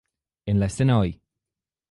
En la escena Oi!